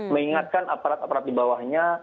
mengingatkan aparat aparat di bawahnya